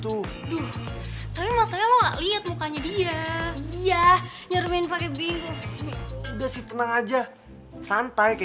tuh aduh tapi masanya lihat mukanya dia iya nyarmin pakai bingung udah sih tenang aja santai kayak